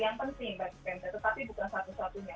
yang penting bagi pemda tetapi bukan satu satunya